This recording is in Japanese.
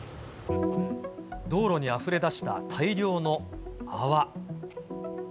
道路にあふれ出した大量の泡。